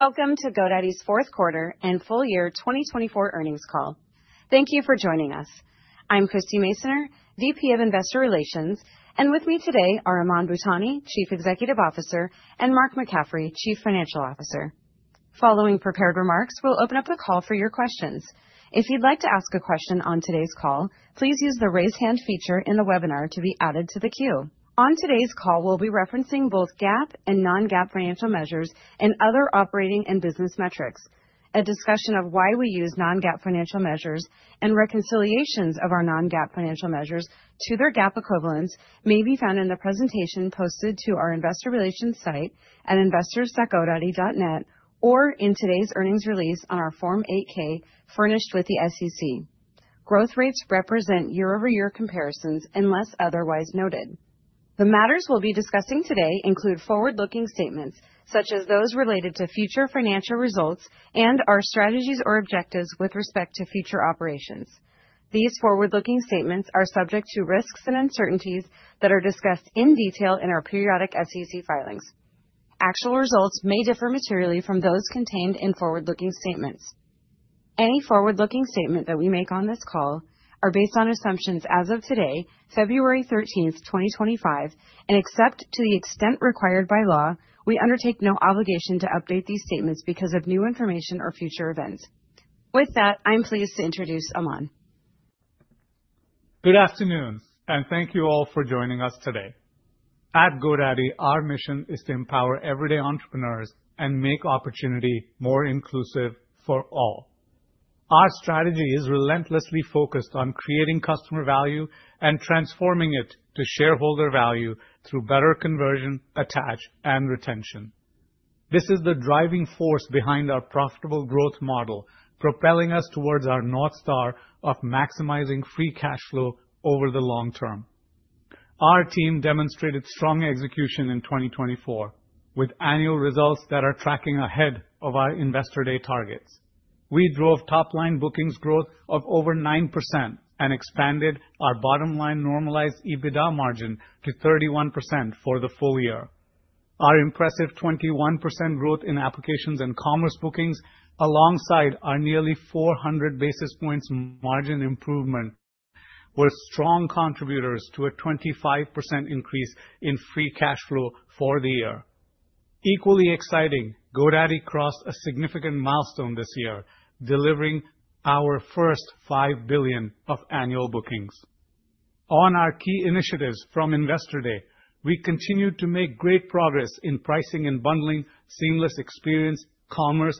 Welcome to GoDaddy's fourth quarter and full year 2024 earnings call. Thank you for joining us. I'm Christie Masoner, VP of Investor Relations, and with me today are Aman Bhutani, Chief Executive Officer, and Mark McCaffrey, Chief Financial Officer. Following prepared remarks, we'll open up the call for your questions. If you'd like to ask a question on today's call, please use the raise hand feature in the webinar to be added to the queue. On today's call, we'll be referencing both GAAP and non-GAAP financial measures and other operating and business metrics. A discussion of why we use non-GAAP financial measures and reconciliations of our non-GAAP financial measures to their GAAP equivalents may be found in the presentation posted to our investor relations site at investors.godaddy.net or in today's earnings release on our Form 8-K furnished with the SEC. Growth rates represent year-over-year comparisons unless otherwise noted. The matters we'll be discussing today include forward-looking statements such as those related to future financial results and our strategies or objectives with respect to future operations. These forward-looking statements are subject to risks and uncertainties that are discussed in detail in our periodic SEC filings. Actual results may differ materially from those contained in forward-looking statements. Any forward-looking statement that we make on this call are based on assumptions as of today, February 13th, 2025, and except to the extent required by law, we undertake no obligation to update these statements because of new information or future events. With that, I'm pleased to introduce Aman. Good afternoon, and thank you all for joining us today. At GoDaddy, our mission is to empower everyday entrepreneurs and make opportunity more inclusive for all. Our strategy is relentlessly focused on creating customer value and transforming it to shareholder value through better conversion, attach, and retention. This is the driving force behind our profitable growth model, propelling us towards our North Star of maximizing free cash flow over the long term. Our team demonstrated strong execution in 2024, with annual results that are tracking ahead of our investor day targets. We drove top-line bookings growth of over 9% and expanded our bottom-line normalized EBITDA margin to 31% for the full year. Our impressive 21% growth in Applications and Commerce bookings, alongside our nearly 400 basis points margin improvement, were strong contributors to a 25% increase in free cash flow for the year. Equally exciting, GoDaddy crossed a significant milestone this year, delivering our first $5 billion of annual bookings. On our key initiatives from investor day, we continue to make great progress in pricing and bundling, seamless experience, commerce,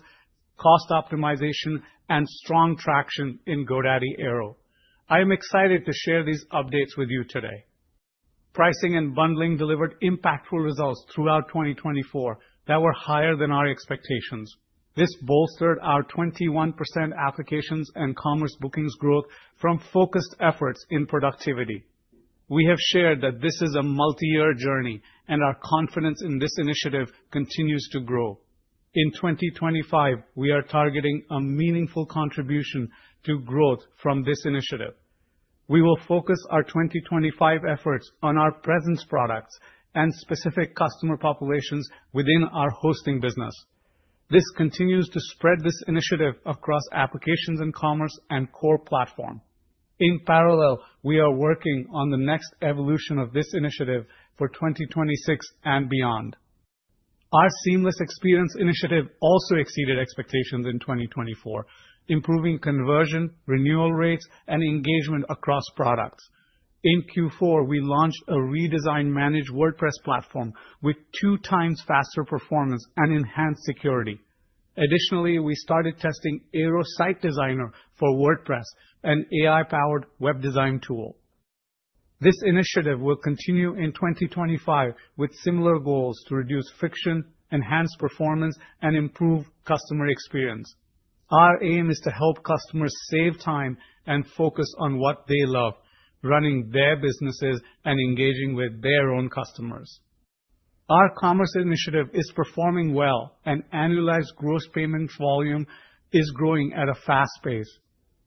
cost optimization, and strong traction in GoDaddy Airo. I am excited to share these updates with you today. Pricing and bundling delivered impactful results throughout 2024 that were higher than our expectations. This bolstered our 21% Applications and Commerce bookings growth from focused efforts in productivity. We have shared that this is a multi-year journey and our confidence in this initiative continues to grow. In 2025, we are targeting a meaningful contribution to growth from this initiative. We will focus our 2025 efforts on our presence products and specific customer populations within our hosting business. This continues to spread this initiative across Applications and Commerce and core platform. In parallel, we are working on the next evolution of this initiative for 2026 and beyond. Our seamless experience initiative also exceeded expectations in 2024, improving conversion, renewal rates, and engagement across products. In Q4, we launched a redesigned Managed WordPress platform with two times faster performance and enhanced security. Additionally, we started testing Airo Site Designer for WordPress, an AI-powered web design tool. This initiative will continue in 2025 with similar goals to reduce friction, enhance performance, and improve customer experience. Our aim is to help customers save time and focus on what they love, running their businesses and engaging with their own customers. Our commerce initiative is performing well and annualized gross payment volume is growing at a fast pace.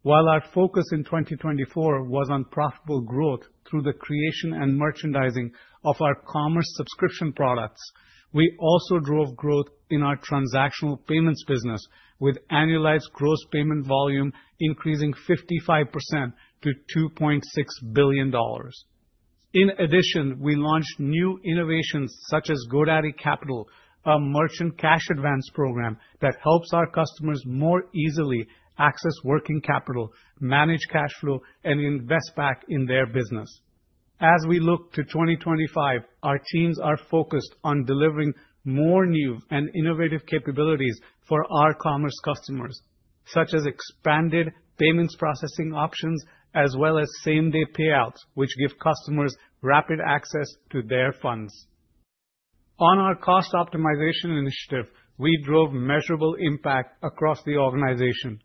While our focus in 2024 was on profitable growth through the creation and merchandising of our commerce subscription products, we also drove growth in our transactional payments business with annualized gross payment volume increasing 55% to $2.6 billion. In addition, we launched new innovations such as GoDaddy Capital, a merchant cash advance program that helps our customers more easily access working capital, manage cash flow, and invest back in their business. As we look to 2025, our teams are focused on delivering more new and innovative capabilities for our commerce customers, such as expanded payments processing options as well as same-day payouts, which give customers rapid access to their funds. On our cost optimization initiative, we drove measurable impact across the organization,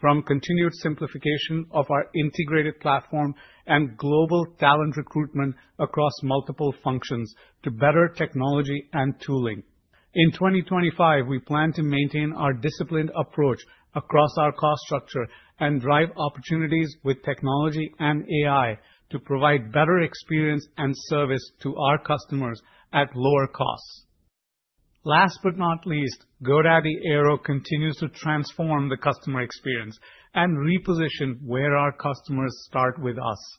from continued simplification of our integrated platform and global talent recruitment across multiple functions to better technology and tooling. In 2025, we plan to maintain our disciplined approach across our cost structure and drive opportunities with technology and AI to provide better experience and service to our customers at lower costs. Last but not least, GoDaddy Airo continues to transform the customer experience and reposition where our customers start with us.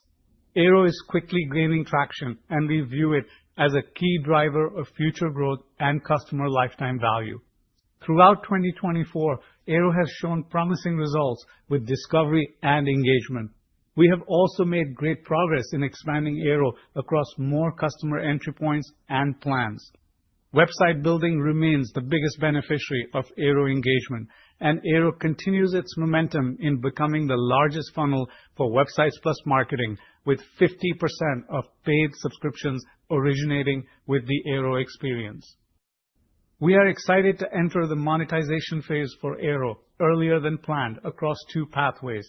Airo is quickly gaining traction, and we view it as a key driver of future growth and customer lifetime value. Throughout 2024, Airo has shown promising results with discovery and engagement. We have also made great progress in expanding Airo across more customer entry points and plans. Website building remains the biggest beneficiary of Airo engagement, and Airo continues its momentum in becoming the largest funnel for Websites + Marketing, with 50% of paid subscriptions originating with the Airo experience. We are excited to enter the monetization phase for Airo earlier than planned across two pathways,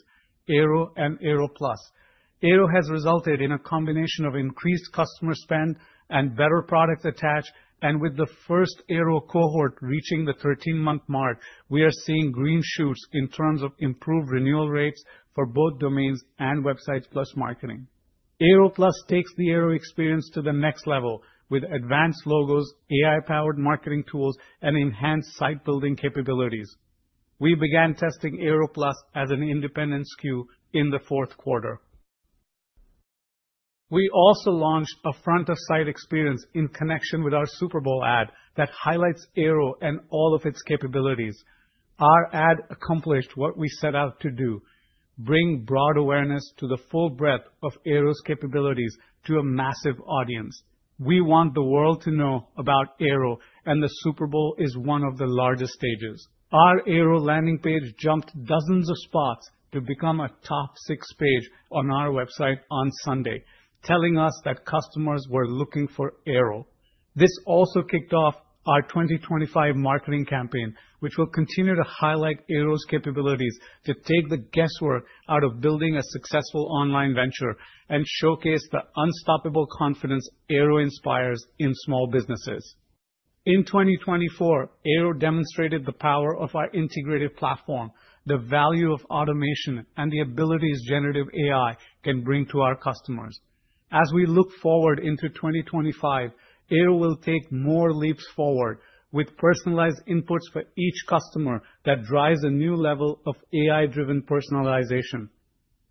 Airo and Airo Plus. Airo has resulted in a combination of increased customer spend and better products attach, and with the first Airo cohort reaching the 13-month mark, we are seeing green shoots in terms of improved renewal rates for both domains and Websites + Marketing. Airo Plus takes the Airo experience to the next level with advanced logos, AI-powered marketing tools, and enhanced site building capabilities. We began testing Airo Plus as an independent SKU in the fourth quarter. We also launched a front-of-site experience in connection with our Super Bowl ad that highlights Airo and all of its capabilities. Our ad accomplished what we set out to do: bring broad awareness to the full breadth of Airo's capabilities to a massive audience. We want the world to know about Airo, and the Super Bowl is one of the largest stages. Our Airo landing page jumped dozens of spots to become a top six page on our website on Sunday, telling us that customers were looking for Airo. This also kicked off our 2025 marketing campaign, which will continue to highlight Airo's capabilities to take the guesswork out of building a successful online venture and showcase the unstoppable confidence Airo inspires in small businesses. In 2024, Airo demonstrated the power of our integrated platform, the value of automation, and the abilities generative AI can bring to our customers. As we look forward into 2025, Airo will take more leaps forward with personalized inputs for each customer that drives a new level of AI-driven personalization.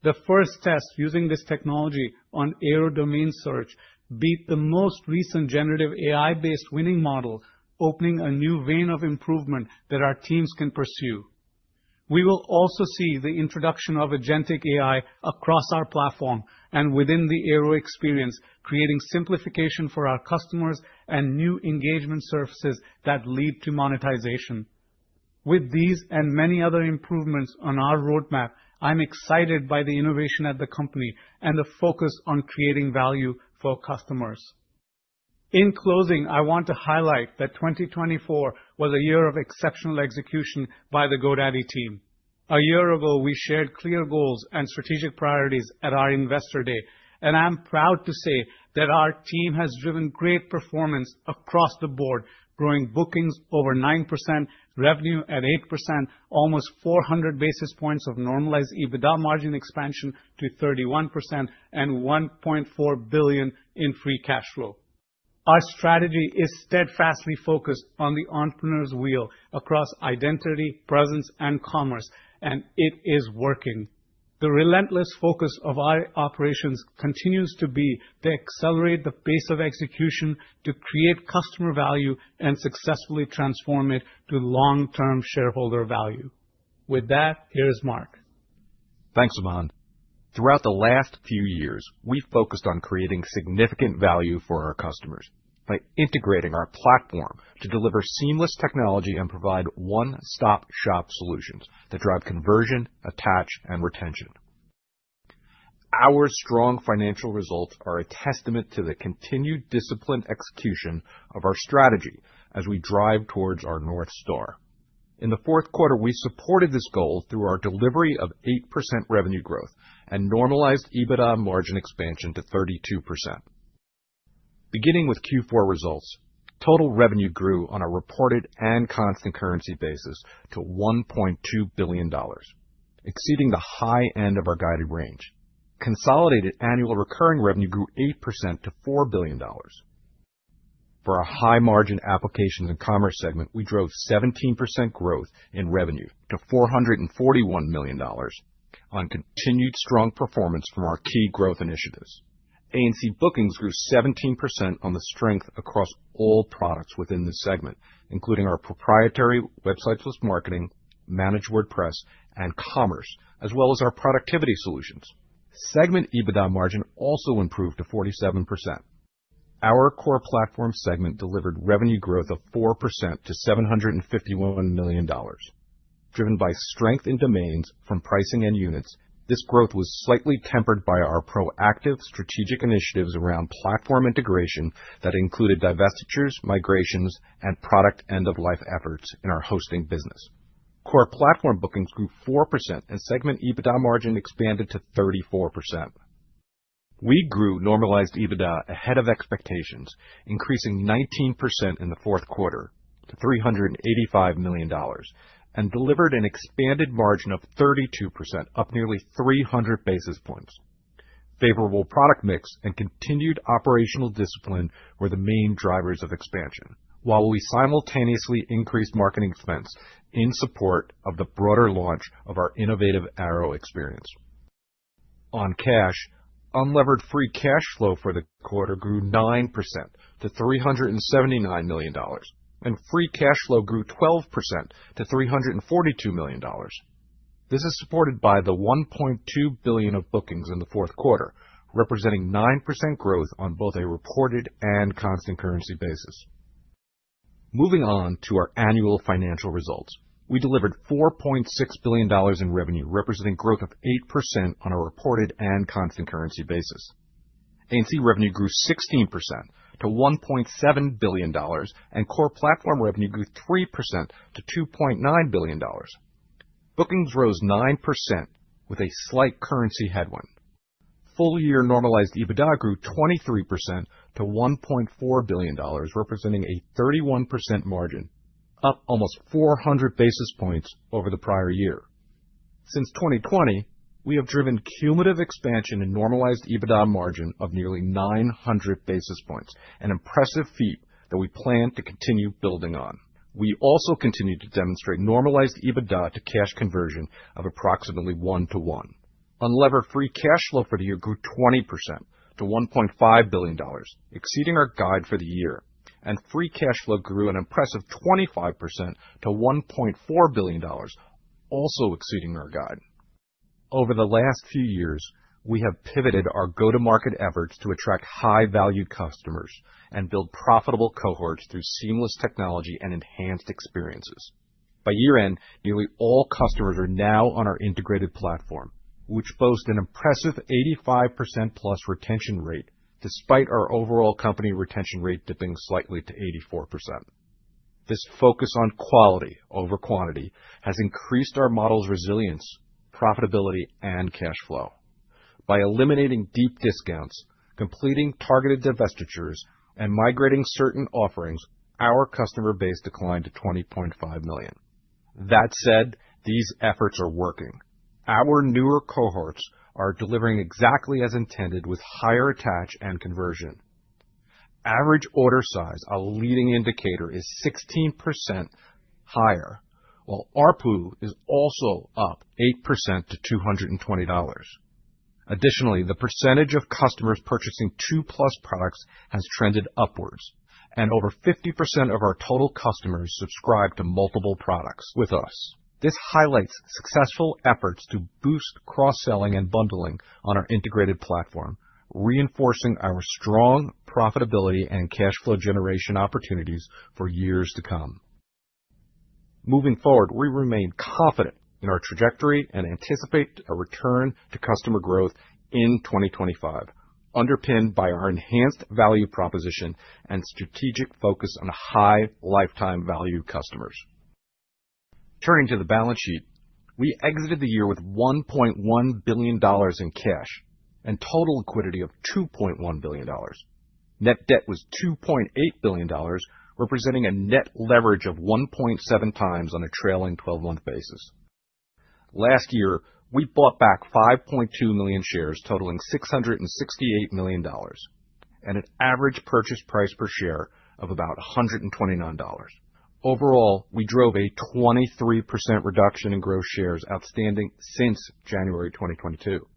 The first test using this technology on Airo domain search beat the most recent generative AI-based winning model, opening a new vein of improvement that our teams can pursue. We will also see the introduction of agentic AI across our platform and within the Airo experience, creating simplification for our customers and new engagement services that lead to monetization. With these and many other improvements on our roadmap, I'm excited by the innovation at the company and the focus on creating value for customers. In closing, I want to highlight that 2024 was a year of exceptional execution by the GoDaddy team. A year ago, we shared clear goals and strategic priorities at our investor day, and I'm proud to say that our team has driven great performance across the board, growing bookings over 9%, revenue at 8%, almost 400 basis points of normalized EBITDA margin expansion to 31%, and $1.4 billion in free cash flow. Our strategy is steadfastly focused on the entrepreneur's wheel across identity, presence, and commerce, and it is working. The relentless focus of our operations continues to be to accelerate the pace of execution to create customer value and successfully transform it to long-term shareholder value. With that, here's Mark. Thanks, Aman. Throughout the last few years, we've focused on creating significant value for our customers by integrating our platform to deliver seamless technology and provide one-stop-shop solutions that drive conversion, attach, and retention. Our strong financial results are a testament to the continued disciplined execution of our strategy as we drive towards our North Star. In the fourth quarter, we supported this goal through our delivery of 8% revenue growth and normalized EBITDA margin expansion to 32%. Beginning with Q4 results, total revenue grew on a reported and constant currency basis to $1.2 billion, exceeding the high end of our guided range. Consolidated annual recurring revenue grew 8% to $4 billion. For our high-margin Applications and Commerce segment, we drove 17% growth in revenue to $441 million on continued strong performance from our key growth initiatives. ANC bookings grew 17% on the strength across all products within the segment, including our proprietary Websites + Marketing, Managed WordPress, and commerce, as well as our productivity solutions. Segment EBITDA margin also improved to 47%. Our Core Platform segment delivered revenue growth of 4% to $751 million. Driven by strength in domains from pricing and units, this growth was slightly tempered by our proactive strategic initiatives around platform integration that included divestitures, migrations, and product end-of-life efforts in our hosting business. Core Platform bookings grew 4% and segment EBITDA margin expanded to 34%. We grew Normalized EBITDA ahead of expectations, increasing 19% in the fourth quarter to $385 million and delivered an expanded margin of 32%, up nearly 300 basis points. Favorable product mix and continued operational discipline were the main drivers of expansion, while we simultaneously increased marketing expense in support of the broader launch of our innovative Airo experience. On cash, unlevered free cash flow for the quarter grew 9% to $379 million, and free cash flow grew 12% to $342 million. This is supported by the $1.2 billion of bookings in the fourth quarter, representing 9% growth on both a reported and constant currency basis. Moving on to our annual financial results, we delivered $4.6 billion in revenue, representing growth of 8% on a reported and constant currency basis. ANC revenue grew 16% to $1.7 billion, and core platform revenue grew 3% to $2.9 billion. Bookings rose 9% with a slight currency headwind. Full-year normalized EBITDA grew 23% to $1.4 billion, representing a 31% margin, up almost 400 basis points over the prior year. Since 2020, we have driven cumulative expansion and normalized EBITDA margin of nearly 900 basis points, an impressive feat that we plan to continue building on. We also continue to demonstrate normalized EBITDA to cash conversion of approximately 1 to 1. Unlevered free cash flow for the year grew 20% to $1.5 billion, exceeding our guide for the year, and free cash flow grew an impressive 25% to $1.4 billion, also exceeding our guide. Over the last few years, we have pivoted our go-to-market efforts to attract high-value customers and build profitable cohorts through seamless technology and enhanced experiences. By year-end, nearly all customers are now on our integrated platform, which boasts an impressive 85% plus retention rate, despite our overall company retention rate dipping slightly to 84%. This focus on quality over quantity has increased our model's resilience, profitability, and cash flow. By eliminating deep discounts, completing targeted divestitures, and migrating certain offerings, our customer base declined to 20.5 million. That said, these efforts are working. Our newer cohorts are delivering exactly as intended with higher attach and conversion. Average order size, a leading indicator, is 16% higher, while ARPU is also up 8% to $220. Additionally, the percentage of customers purchasing two-plus products has trended upwards, and over 50% of our total customers subscribe to multiple products with us. This highlights successful efforts to boost cross-selling and bundling on our integrated platform, reinforcing our strong profitability and cash flow generation opportunities for years to come. Moving forward, we remain confident in our trajectory and anticipate a return to customer growth in 2025, underpinned by our enhanced value proposition and strategic focus on high lifetime value customers. Turning to the balance sheet, we exited the year with $1.1 billion in cash and total liquidity of $2.1 billion. Net debt was $2.8 billion, representing a net leverage of 1.7 times on a trailing 12-month basis. Last year, we bought back 5.2 million shares, totaling $668 million, and an average purchase price per share of about $129. Overall, we drove a 23% reduction in gross shares outstanding since January 2022,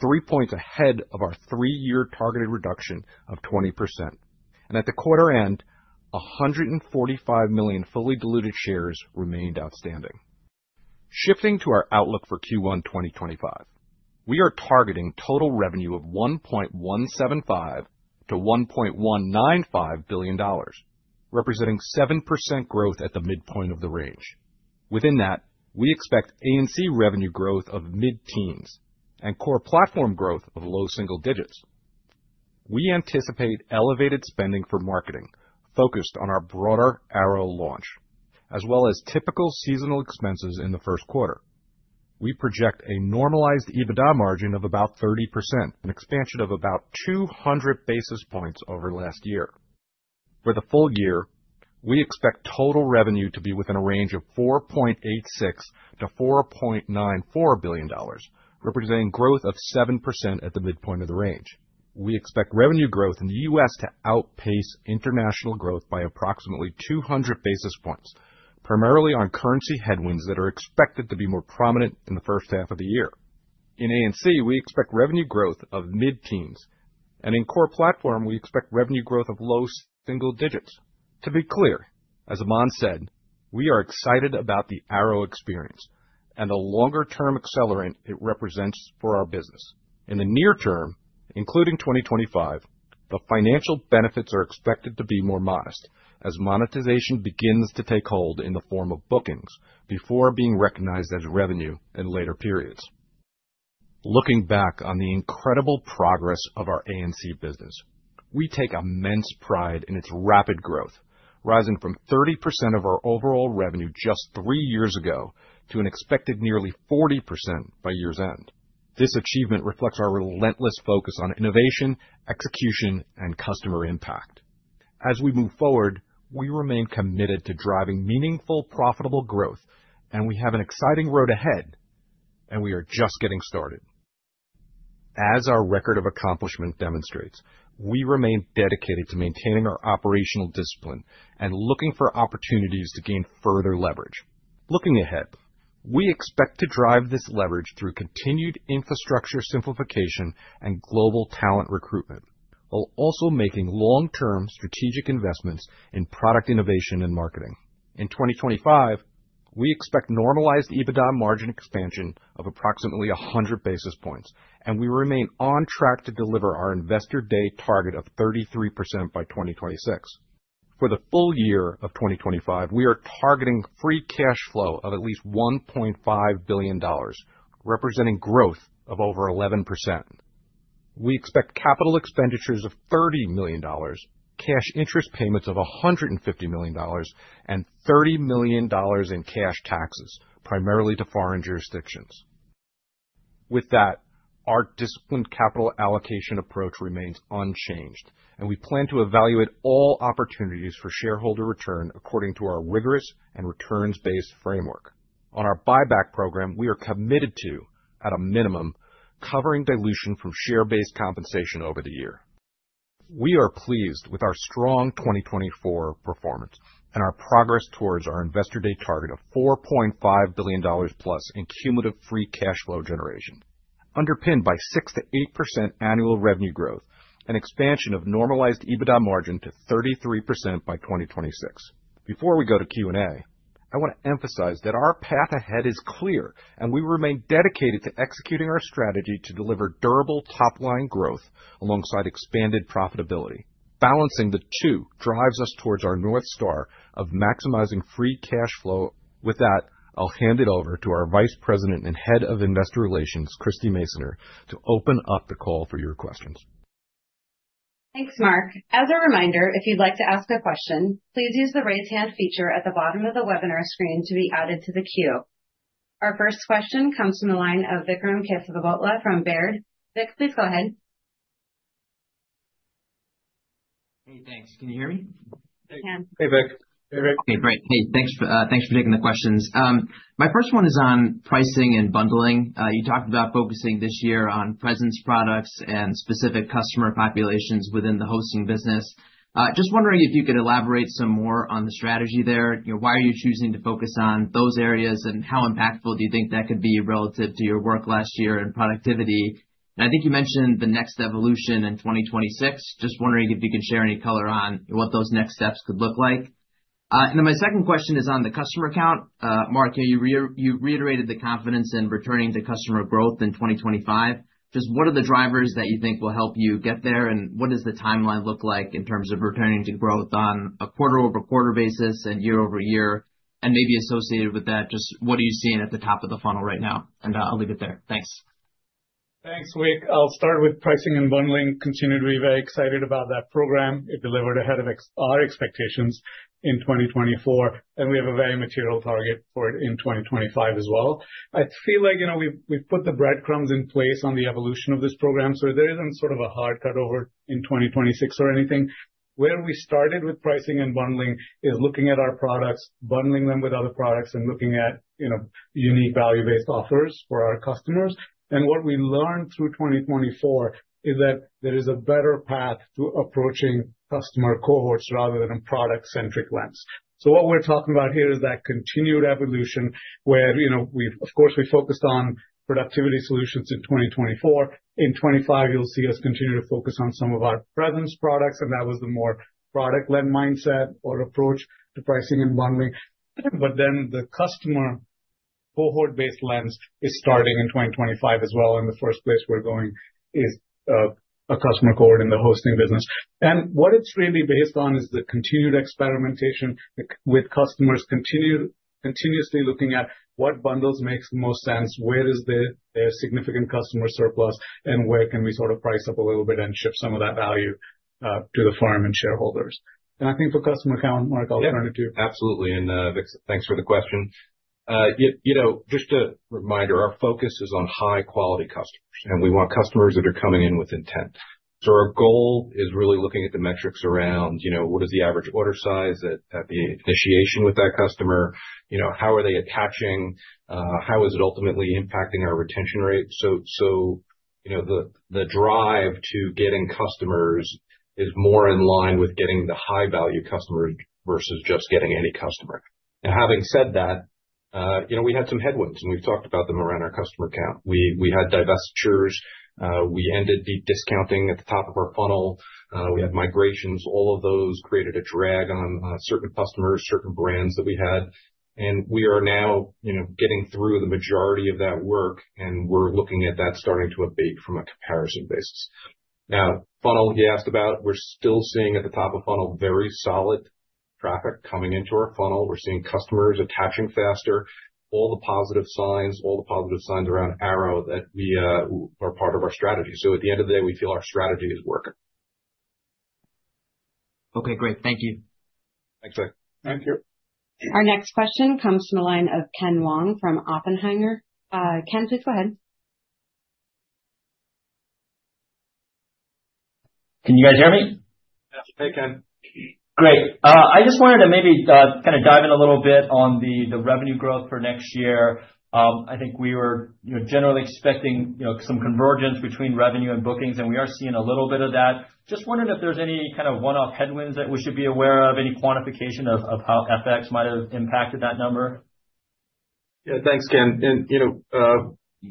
three points ahead of our three-year targeted reduction of 20%. And at the quarter end, 145 million fully diluted shares remained outstanding. Shifting to our outlook for Q1 2025, we are targeting total revenue of $1.175-$1.195 billion, representing 7% growth at the midpoint of the range. Within that, we expect ANC revenue growth of mid-teens and core platform growth of low single digits. We anticipate elevated spending for marketing focused on our broader Airo launch, as well as typical seasonal expenses in the first quarter. We project a normalized EBITDA margin of about 30%, an expansion of about 200 basis points over last year. For the full year, we expect total revenue to be within a range of $4.86-$4.94 billion, representing growth of 7% at the midpoint of the range. We expect revenue growth in the U.S. to outpace international growth by approximately 200 basis points, primarily on currency headwinds that are expected to be more prominent in the first half of the year. In ANC, we expect revenue growth of mid-teens, and in core platform, we expect revenue growth of low single digits. To be clear, as Aman said, we are excited about the Airo experience and the longer-term accelerant it represents for our business. In the near term, including 2025, the financial benefits are expected to be more modest as monetization begins to take hold in the form of bookings before being recognized as revenue in later periods. Looking back on the incredible progress of our ANC business, we take immense pride in its rapid growth, rising from 30% of our overall revenue just three years ago to an expected nearly 40% by year's end. This achievement reflects our relentless focus on innovation, execution, and customer impact. As we move forward, we remain committed to driving meaningful, profitable growth, and we have an exciting road ahead, and we are just getting started. As our record of accomplishment demonstrates, we remain dedicated to maintaining our operational discipline and looking for opportunities to gain further leverage. Looking ahead, we expect to drive this leverage through continued infrastructure simplification and global talent recruitment, while also making long-term strategic investments in product innovation and marketing. In 2025, we expect Normalized EBITDA margin expansion of approximately 100 basis points, and we remain on track to deliver our investor day target of 33% by 2026. For the full year of 2025, we are targeting free cash flow of at least $1.5 billion, representing growth of over 11%. We expect capital expenditures of $30 million, cash interest payments of $150 million, and $30 million in cash taxes, primarily to foreign jurisdictions. With that, our disciplined capital allocation approach remains unchanged, and we plan to evaluate all opportunities for shareholder return according to our rigorous and returns-based framework. On our buyback program, we are committed to, at a minimum, covering dilution from share-based compensation over the year. We are pleased with our strong 2024 performance and our progress towards our investor day target of $4.5 billion plus in cumulative free cash flow generation, underpinned by 6%-8% annual revenue growth and expansion of normalized EBITDA margin to 33% by 2026. Before we go to Q&A, I want to emphasize that our path ahead is clear, and we remain dedicated to executing our strategy to deliver durable top-line growth alongside expanded profitability. Balancing the two drives us towards our North Star of maximizing free cash flow. With that, I'll hand it over to our Vice President and Head of Investor Relations, Christie Masoner, to open up the call for your questions. Thanks, Mark. As a reminder, if you'd like to ask a question, please use the raise hand feature at the bottom of the webinar screen to be added to the queue. Our first question comes from the line of Vikram Kesavabhotla from Baird. Vik, please go ahead. Hey, thanks. Can you hear me? I can. Hey, Vik. Hey, Vik. Hey. Hey, thanks for taking the questions. My first one is on pricing and bundling. You talked about focusing this year on presence products and specific customer populations within the hosting business. Just wondering if you could elaborate some more on the strategy there. Why are you choosing to focus on those areas, and how impactful do you think that could be relative to your work last year and productivity? And I think you mentioned the next evolution in 2026. Just wondering if you could share any color on what those next steps could look like. And then my second question is on the customer count. Mark, you reiterated the confidence in returning to customer growth in 2025. Just what are the drivers that you think will help you get there, and what does the timeline look like in terms of returning to growth on a quarter-over-quarter basis and year-over-year? And maybe associated with that, just what are you seeing at the top of the funnel right now? And I'll leave it there. Thanks. Thanks, Vik. I'll start with pricing and bundling. Consumably they're excited about that program. It delivered ahead of our expectations in 2024, and we have a very material target for it in 2025 as well. I feel like we've put the breadcrumbs in place on the evolution of this program, so there isn't sort of a hard cut over in 2026 or anything. Where we started with pricing and bundling is looking at our products, bundling them with other products, and looking at unique value-based offers for our customers. And what we learned through 2024 is that there is a better path to approaching customer cohorts rather than a product-centric lens. So what we're talking about here is that continued evolution where we've, of course, focused on productivity solutions in 2024. In 2025, you'll see us continue to focus on some of our premium products, and that was the more product-led mindset or approach to pricing and bundling. But then the customer cohort-based lens is starting in 2025 as well. The first place we're going is a customer cohort in the hosting business. And what it's really based on is the continued experimentation with customers, continuously looking at what bundles make the most sense, where there's significant customer surplus, and where can we sort of price up a little bit and ship some of that value to the firm and shareholders. And I think for customer accounting, Mark, I'll turn it to you. Yeah, absolutely. And thanks for the question. Just a reminder, our focus is on high-quality customers, and we want customers that are coming in with intent. So our goal is really looking at the metrics around what is the average order size at the initiation with that customer, how are they attaching, how is it ultimately impacting our retention rate. So the drive to getting customers is more in line with getting the high-value customers versus just getting any customer. And having said that, we had some headwinds, and we've talked about them around our customer account. We had divestitures. We ended deep discounting at the top of our funnel. We had migrations. All of those created a drag on certain customers, certain brands that we had. And we are now getting through the majority of that work, and we're looking at that starting to abate from a comparison basis. Now, funnel, you asked about, we're still seeing at the top of funnel very solid traffic coming into our funnel. We're seeing customers attaching faster. All the positive signs, all the positive signs around Airo that we are part of our strategy. So at the end of the day, we feel our strategy is working. Okay, great. Thank you. Thanks, Vik. Thank you. Our next question comes from the line of Ken Wong from Oppenheimer. Ken, please go ahead. Can you guys hear me? Hey, Ken. Great. I just wanted to maybe kind of dive in a little bit on the revenue growth for next year. I think we were generally expecting some convergence between revenue and bookings, and we are seeing a little bit of that. Just wondering if there's any kind of one-off headwinds that we should be aware of, any quantification of how FX might have impacted that number? Yeah, thanks, Ken, and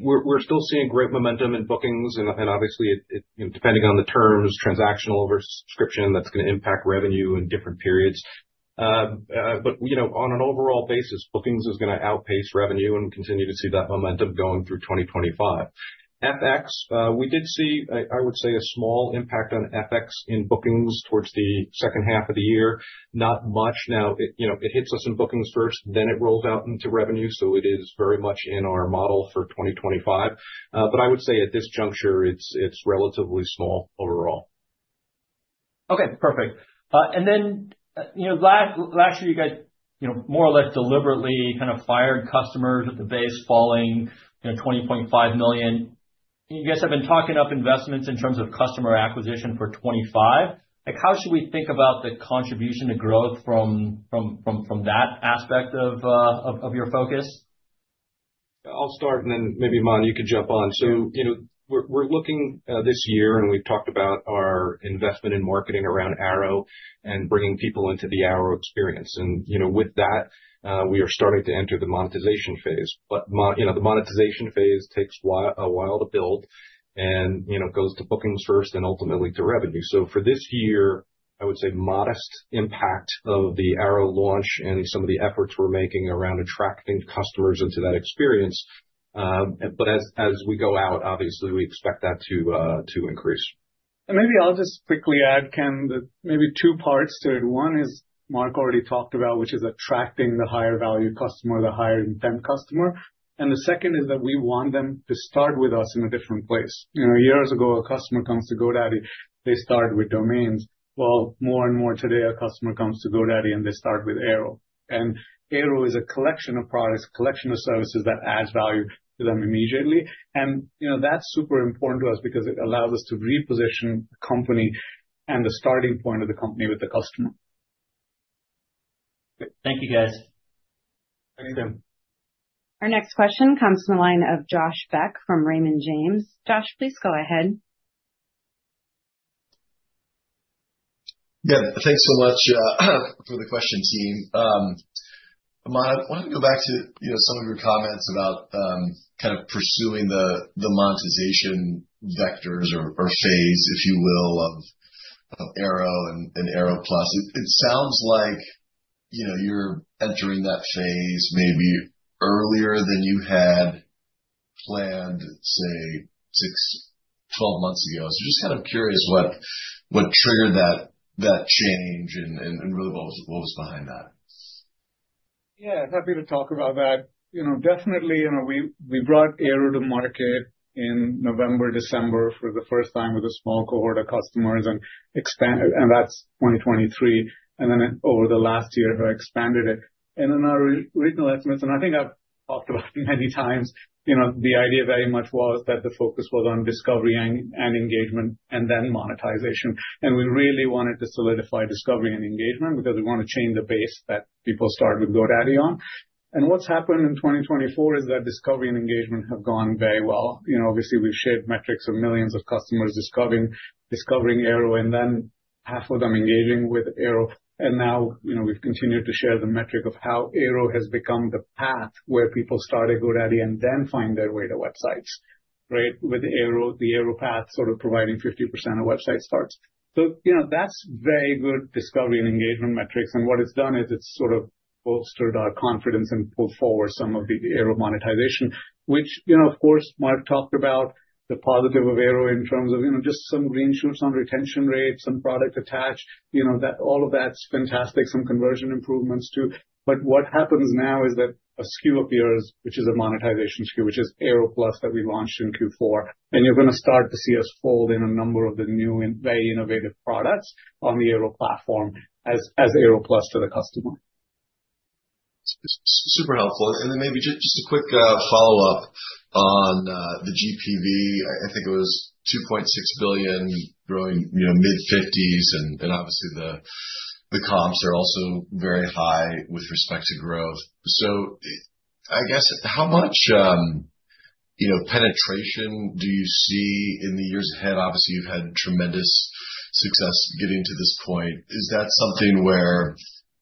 we're still seeing great momentum in bookings, and obviously, depending on the terms, transactional or subscription, that's going to impact revenue in different periods, but on an overall basis, bookings is going to outpace revenue and continue to see that momentum going through 2025, FX, we did see, I would say, a small impact on FX in bookings towards the second half of the year. Not much. Now, it hits us in bookings first, then it rolls out into revenue, so it is very much in our model for 2025, but I would say at this juncture, it's relatively small overall. Okay, perfect. And then last year, you guys more or less deliberately kind of fired customers at the base, falling 20.5 million. You guys have been talking up investments in terms of customer acquisition for 2025. How should we think about the contribution to growth from that aspect of your focus? I'll start, and then maybe Mark, you could jump on. We're looking this year, and we've talked about our investment in marketing around Airo and bringing people into the Airo experience. With that, we are starting to enter the monetization phase. The monetization phase takes a while to build and goes to bookings first and ultimately to revenue. For this year, I would say modest impact of the Airo launch and some of the efforts we're making around attracting customers into that experience. As we go out, obviously, we expect that to increase. Maybe I'll just quickly add, Ken, that maybe two parts to it. One is Mark already talked about, which is attracting the higher-value customer, the higher-intent customer. The second is that we want them to start with us in a different place. Years ago, a customer comes to GoDaddy, they start with domains. Well, more and more today, a customer comes to GoDaddy, and they start with Airo. Airo is a collection of products, a collection of services that adds value to them immediately. That's super important to us because it allows us to reposition the company and the starting point of the company with the customer. Thank you, guys. Thanks, Tim. Our next question comes from the line of Josh Beck from Raymond James. Josh, please go ahead. Yeah, thanks so much for the question, team. Aman, I wanted to go back to some of your comments about kind of pursuing the monetization vectors or phase, if you will, of Airo and Airo Plus. It sounds like you're entering that phase maybe earlier than you had planned, say, 12 months ago. So just kind of curious what triggered that change and really what was behind that. Yeah, happy to talk about that. Definitely, we brought Airo to market in November, December for the first time with a small cohort of customers, and that's 2023. And then over the last year, we've expanded it. And in our original estimates, and I think I've talked about it many times, the idea very much was that the focus was on discovery and engagement and then monetization. And we really wanted to solidify discovery and engagement because we want to change the base that people start with GoDaddy on. And what's happened in 2024 is that discovery and engagement have gone very well. Obviously, we've shared metrics of millions of customers discovering Airo and then half of them engaging with Airo. Now we've continued to share the metric of how Airo has become the path where people start at GoDaddy and then find their way to websites, right, with the Airo path sort of providing 50% of website starts. So that's very good discovery and engagement metrics. And what it's done is it's sort of bolstered our confidence and pulled forward some of the Airo monetization, which, of course, Mark talked about the positive of Airo in terms of just some green shoots on retention rate, some product attached. All of that's fantastic, some conversion improvements too. But what happens now is that a SKU appears, which is a monetization SKU, which is Airo Plus that we launched in Q4. And you're going to start to see us fold in a number of the new and very innovative products on the Airo platform as Airo Plus to the customer. Super helpful. And then maybe just a quick follow-up on the GPV. I think it was $2.6 billion, growing mid-50s%, and obviously, the comps are also very high with respect to growth. So I guess, how much penetration do you see in the years ahead? Obviously, you've had tremendous success getting to this point. Is that something where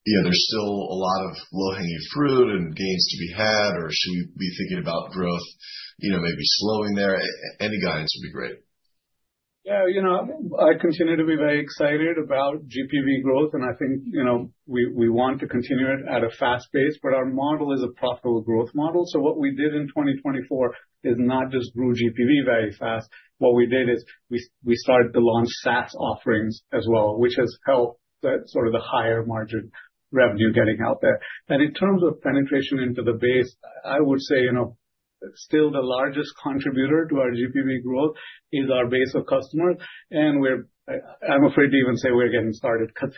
there's still a lot of low-hanging fruit and gains to be had, or should we be thinking about growth maybe slowing there? Any guidance would be great. Yeah, I continue to be very excited about GPV growth, and I think we want to continue it at a fast pace. But our model is a profitable growth model. So what we did in 2024 is not just grew GPV very fast. What we did is we started to launch SaaS offerings as well, which has helped sort of the higher margin revenue getting out there. And in terms of penetration into the base, I would say still the largest contributor to our GPV growth is our base of customers. And I'm afraid to even say we're getting started because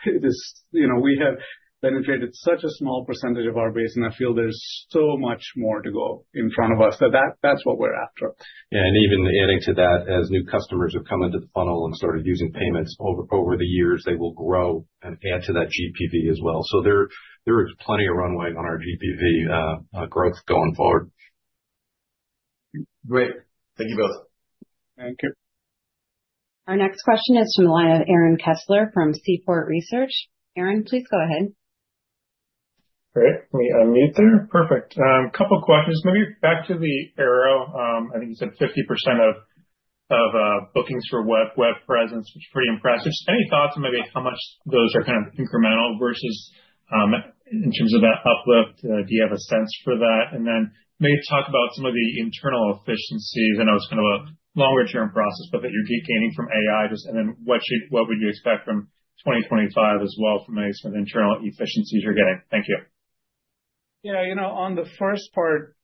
we have penetrated such a small percentage of our base, and I feel there's so much more to go in front of us. So that's what we're after. Yeah, and even adding to that, as new customers have come into the funnel and started using payments over the years, they will grow and add to that GPV as well. So there is plenty of runway on our GPV growth going forward. Great. Thank you both. Thank you. Our next question is from the line of Aaron Kessler from Seaport Research. Aaron, please go ahead. Great. Let me unmute there. Perfect. A couple of questions. Maybe back to the Airo. I think you said 50% of bookings for web presence, which is pretty impressive. Just any thoughts on maybe how much those are kind of incremental versus in terms of that uplift? Do you have a sense for that? And then maybe talk about some of the internal efficiencies. I know it's kind of a longer-term process, but that you're gaining from AI, and then what would you expect from 2025 as well from any sort of internal efficiencies you're getting? Thank you. Yeah, on the first part,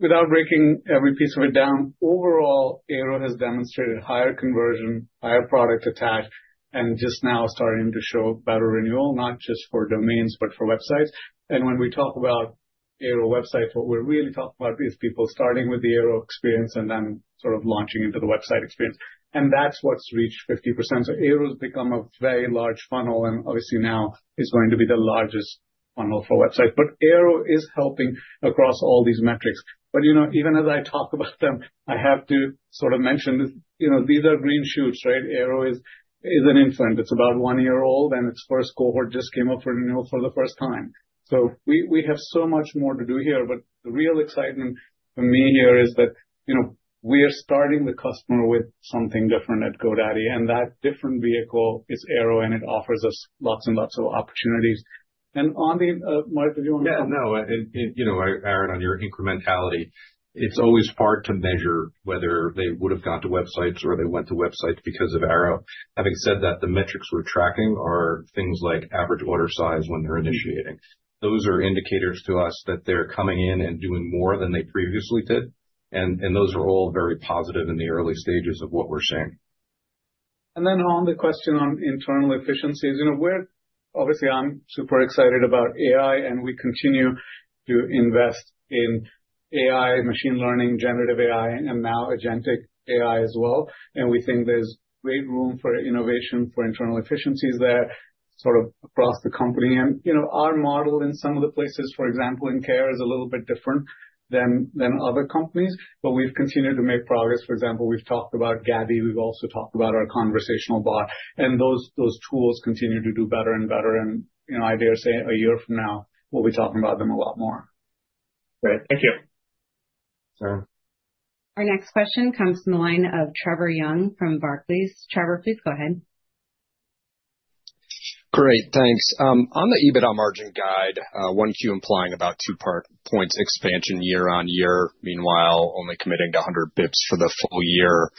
without breaking every piece of it down, overall, Airo has demonstrated higher conversion, higher product attach, and just now starting to show better renewal, not just for domains, but for websites. And when we talk about Airo websites, what we're really talking about is people starting with the Airo experience and then sort of launching into the website experience. And that's what's reached 50%. So Airo has become a very large funnel, and obviously now is going to be the largest funnel for websites. But Airo is helping across all these metrics. But even as I talk about them, I have to sort of mention these are green shoots, right? Airo is an infant. It's about one year old, and its first cohort just came up for renewal for the first time. So we have so much more to do here. The real excitement for me here is that we are starting the customer with something different at GoDaddy, and that different vehicle is Airo, and it offers us lots and lots of opportunities. On that, Mark, did you want to? Yeah, no, Aaron, on your incrementality, it's always hard to measure whether they would have gone to websites or they went to websites because of Airo. Having said that, the metrics we're tracking are things like average order size when they're initiating. Those are indicators to us that they're coming in and doing more than they previously did. And those are all very positive in the early stages of what we're seeing. And then on the question on internal efficiencies, obviously, I'm super excited about AI, and we continue to invest in AI, machine learning, generative AI, and now agentic AI as well. And we think there's great room for innovation for internal efficiencies there sort of across the company. And our model in some of the places, for example, in care, is a little bit different than other companies. But we've continued to make progress. For example, we've talked about Gabby. We've also talked about our conversational bot. And those tools continue to do better and better. And I dare say a year from now, we'll be talking about them a lot more. Great. Thank you. Our next question comes from the line of Trevor Young from Barclays. Trevor, please go ahead. Great. Thanks. On the EBITDA margin guide, one Q implying about two-point expansion year-on-year, meanwhile, only committing to 100 basis points for the full year.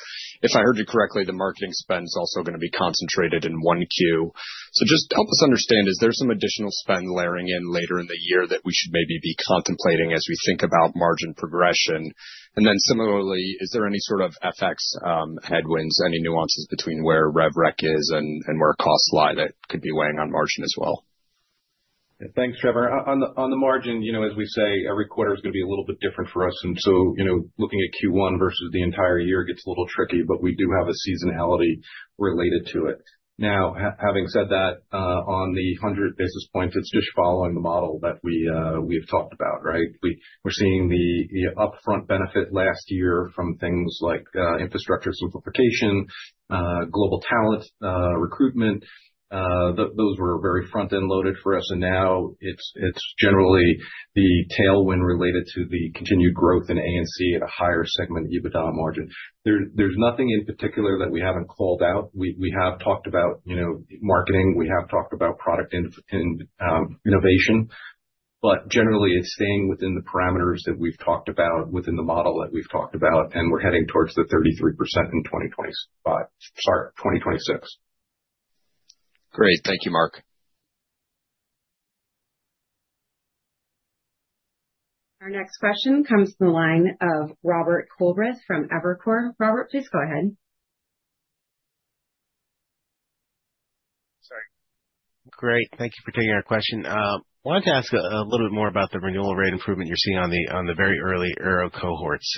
If I heard you correctly, the marketing spend is also going to be concentrated in one Q. So just help us understand, is there some additional spend layering in later in the year that we should maybe be contemplating as we think about margin progression? And then similarly, is there any sort of FX headwinds, any nuances between where RevRec is and where costs lie that could be weighing on margin as well? Thanks, Trevor. On the margin, as we say, every quarter is going to be a little bit different for us. And so looking at Q1 versus the entire year gets a little tricky, but we do have a seasonality related to it. Now, having said that, on the 100 basis points, it's just following the model that we've talked about, right? We're seeing the upfront benefit last year from things like infrastructure simplification, global talent recruitment. Those were very front-end loaded for us. And now it's generally the tailwind related to the continued growth in ANC at a higher segment EBITDA margin. There's nothing in particular that we haven't called out. We have talked about marketing. We have talked about product innovation. But generally, it's staying within the parameters that we've talked about within the model that we've talked about, and we're heading towards the 33% in 2025, sorry, 2026. Great. Thank you, Mark. Our next question comes from the line of Robert Coolbrith from Evercore. Robert, please go ahead. Sorry. Great. Thank you for taking our question. I wanted to ask a little bit more about the renewal rate improvement you're seeing on the very early Airo cohorts,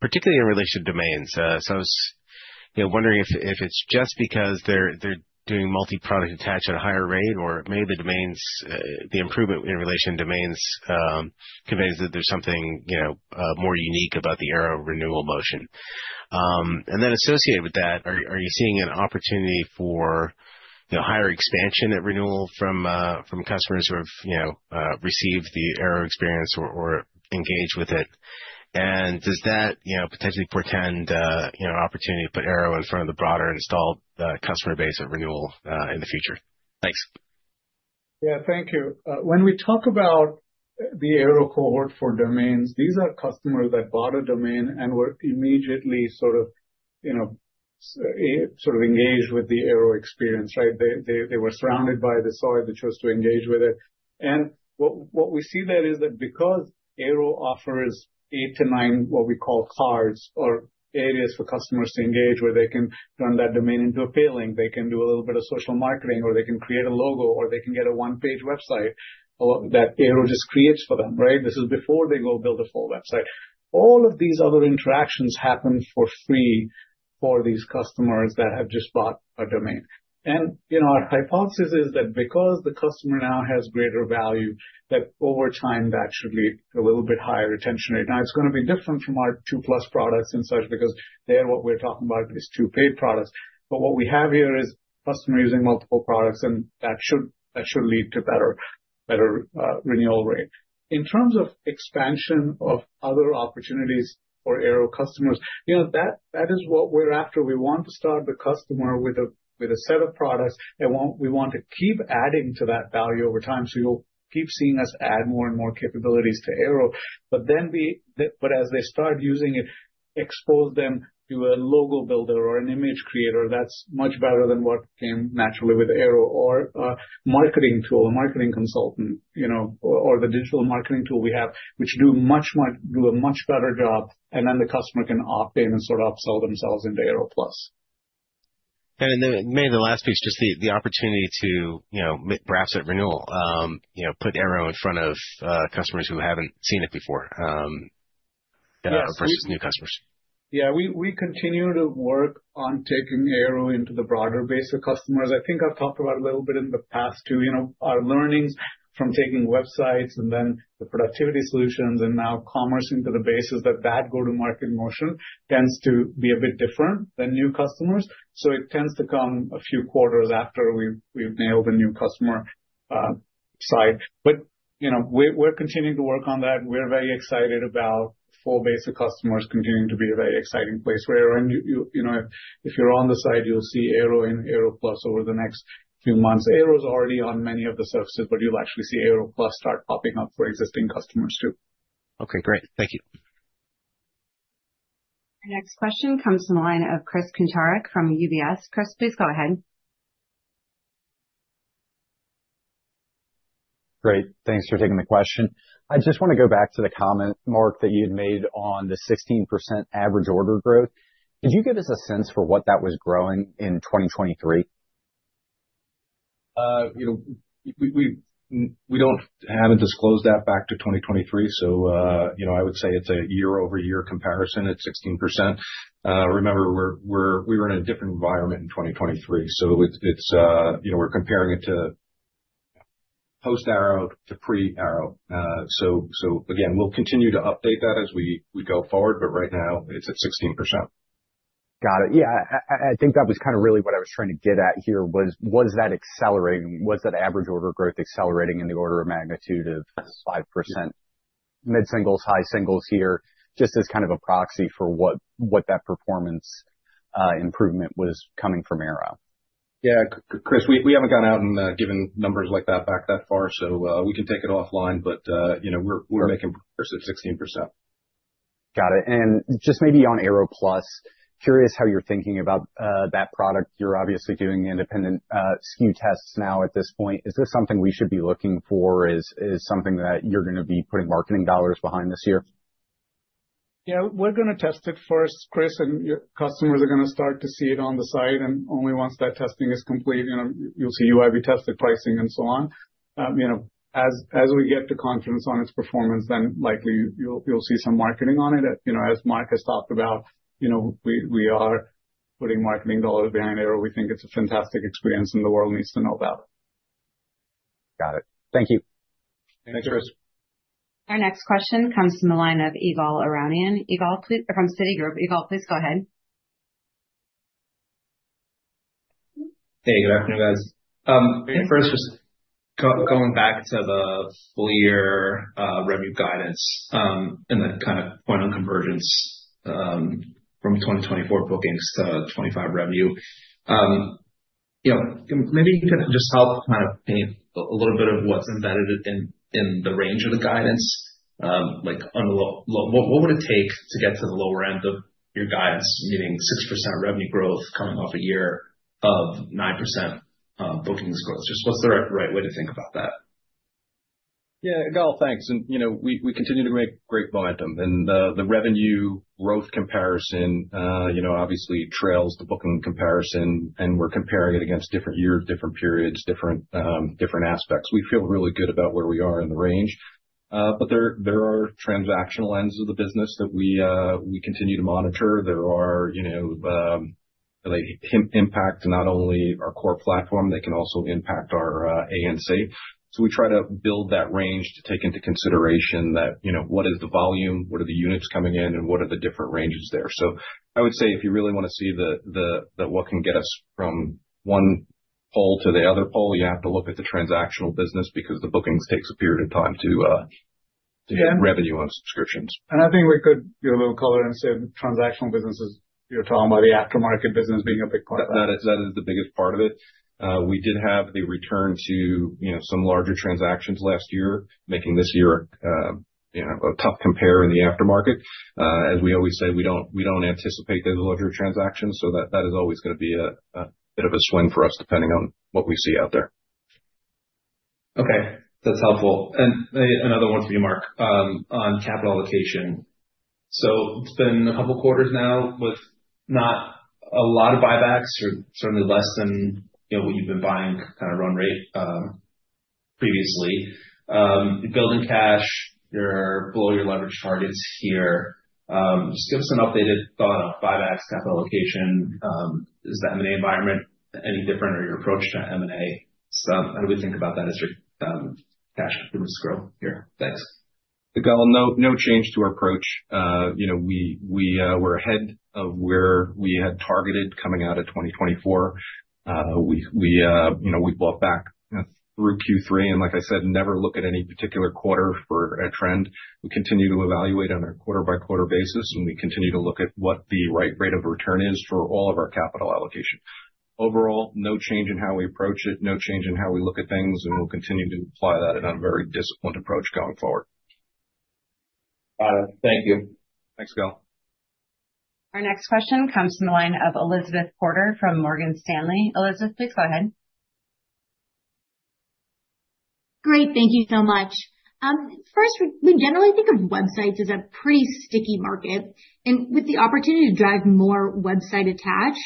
particularly in relation to domains. So I was wondering if it's just because they're doing multi-product attach at a higher rate, or maybe the improvement in relation to domains conveys that there's something more unique about the Airo renewal motion. And then associated with that, are you seeing an opportunity for higher expansion at renewal from customers who have received the Airo experience or engaged with it? And does that potentially portend an opportunity to put Airo in front of the broader installed customer base at renewal in the future? Thanks. Yeah, thank you. When we talk about the Airo cohort for domains, these are customers that bought a domain and were immediately sort of engaged with the Airo experience, right? They were surrounded by the AI that chose to engage with it, and what we see there is that because Airo offers eight to nine, what we call cards or areas for customers to engage where they can turn that domain into a pay link, they can do a little bit of social marketing, or they can create a logo, or they can get a one-page website that Airo just creates for them, right? This is before they go build a full website. All of these other interactions happen for free for these customers that have just bought a domain. And our hypothesis is that because the customer now has greater value, that over time that should lead to a little bit higher retention rate. Now, it's going to be different from our two-plus products and such because there, what we're talking about is two paid products. But what we have here is customers using multiple products, and that should lead to better renewal rate. In terms of expansion of other opportunities for Airo customers, that is what we're after. We want to start the customer with a set of products, and we want to keep adding to that value over time. So you'll keep seeing us add more and more capabilities to Airo. But as they start using it, expose them to a logo builder or an image creator. That's much better than what came naturally with Airo or a marketing tool, a marketing consultant, or the digital marketing tool we have, which do a much better job, and then the customer can opt in and sort of upsell themselves into Airo Plus. And then maybe the last piece, just the opportunity to cross-sell at renewal, put Airo in front of customers who haven't seen it before versus new customers. Yeah, we continue to work on taking Airo into the broader base of customers. I think I've talked about it a little bit in the past too. Our learnings from taking websites and then the productivity solutions and now commerce into the base is that that go-to-market motion tends to be a bit different than new customers. So it tends to come a few quarters after we've nailed a new customer side. But we're continuing to work on that. We're very excited about full base of customers continuing to be a very exciting place where, if you're on the site, you'll see Airo and Airo Plus over the next few months. Airo is already on many of the services, but you'll actually see Airo Plus start popping up for existing customers too. Okay, great. Thank you. Our next question comes from the line of Chris Kuntarich from UBS. Chris, please go ahead. Great. Thanks for taking the question. I just want to go back to the comment, Mark, that you had made on the 16% average order growth. Could you give us a sense for what that was growing in 2023? We don't have it disclosed that back to 2023. So I would say it's a year-over-year comparison at 16%. Remember, we were in a different environment in 2023. So we're comparing it to post-Airo to pre-Airo. So again, we'll continue to update that as we go forward, but right now, it's at 16%. Got it. Yeah. I think that was kind of really what I was trying to get at here was that accelerating, was that average order growth accelerating in the order of magnitude of 5%? Mid-singles, high singles here, just as kind of a proxy for what that performance improvement was coming from Airo. Yeah. Chris, we haven't gone out and given numbers like that back that far. So we can take it offline, but we're making progress at 16%. Got it. And just maybe on Airo Plus, curious how you're thinking about that product. You're obviously doing independent SKU tests now at this point. Is this something we should be looking for? Is it something that you're going to be putting marketing dollars behind this year? Yeah. We're going to test it first, Chris, and customers are going to start to see it on the side. And only once that testing is complete, you'll see UIB tested pricing and so on. As we get to confidence on its performance, then likely you'll see some marketing on it. As Mark has talked about, we are putting marketing dollars behind Airo. We think it's a fantastic experience and the world needs to know about it. Got it. Thank you. Thanks, Chris. Our next question comes from the line of Ygal Arounian. Ygal, please, from Citigroup. Ygal, please go ahead. Hey, good afternoon, guys. First, just going back to the full-year revenue guidance and the kind of point on convergence from 2024 bookings to 2025 revenue. Maybe you could just help kind of paint a little bit of what's embedded in the range of the guidance. What would it take to get to the lower end of your guidance, meaning 6% revenue growth coming off a year of 9% bookings growth? Just what's the right way to think about that? Yeah. Ygal, thanks. And we continue to make great momentum. And the revenue growth comparison obviously trails the booking comparison, and we're comparing it against different years, different periods, different aspects. We feel really good about where we are in the range. But there are transactional ends of the business that we continue to monitor. They impact not only our Core Platform, they can also impact our ANC. So we try to build that range to take into consideration what is the volume, what are the units coming in, and what are the different ranges there. So I would say if you really want to see what can get us from one pole to the other pole, you have to look at the transactional business because the bookings take a period of time to get revenue on subscriptions. And I think we could give a little color and say the transactional business is, you're talking about the aftermarket business being a big part of that. That is the biggest part of it. We did have the return to some larger transactions last year, making this year a tough compare in the aftermarket. As we always say, we don't anticipate those larger transactions. So that is always going to be a bit of a swing for us depending on what we see out there. Okay. That's helpful. And another one for you, Mark, on capital allocation. So it's been a couple of quarters now with not a lot of buybacks or certainly less than what you've been buying kind of run rate previously. Building cash, you're below your leverage targets here. Just give us an updated thought on buybacks, capital allocation. Is the M&A environment any different or your approach to M&A stuff? How do we think about that as your cash continues to grow here? Thanks. Well, no change to our approach. We were ahead of where we had targeted coming out of 2024. We bought back through Q3, and like I said, never look at any particular quarter for a trend. We continue to evaluate on a quarter-by-quarter basis, and we continue to look at what the right rate of return is for all of our capital allocation. Overall, no change in how we approach it, no change in how we look at things, and we'll continue to apply that in a very disciplined approach going forward. Got it. Thank you. Thanks, Ygal. Our next question comes from the line of Elizabeth Porter from Morgan Stanley. Elizabeth, please go ahead. Great. Thank you so much. First, we generally think of websites as a pretty sticky market, and with the opportunity to drive more website attach,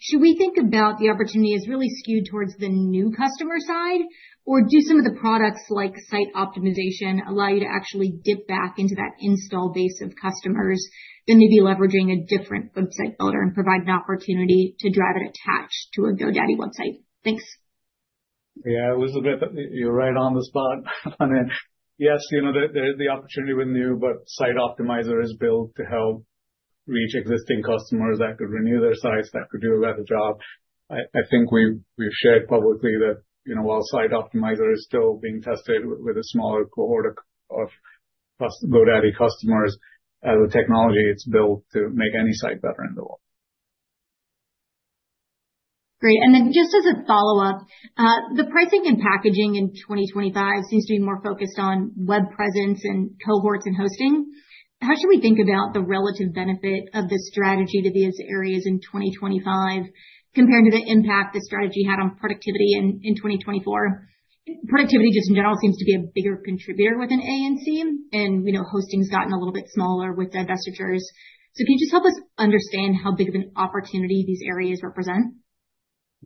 should we think about the opportunity as really skewed towards the new customer side, or do some of the products like site optimization allow you to actually dip back into that installed base of customers, then maybe leveraging a different website builder and provide an opportunity to drive it attached to a GoDaddy website? Thanks. Yeah, Elizabeth, you're right on the spot. Yes, there is the opportunity with new, but Site Optimizer is built to help reach existing customers that could renew their sites, that could do a better job. I think we've shared publicly that while Site Optimizer is still being tested with a smaller cohort of GoDaddy customers, as a technology, it's built to make any site better in the world. Great. And then just as a follow-up, the pricing and packaging in 2025 seems to be more focused on web presence and cohorts and hosting. How should we think about the relative benefit of this strategy to these areas in 2025 compared to the impact the strategy had on productivity in 2024? Productivity, just in general, seems to be a bigger contributor within ANC, and hosting has gotten a little bit smaller with divestitures. So can you just help us understand how big of an opportunity these areas represent?